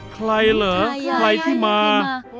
ใครเหรอใครที่มา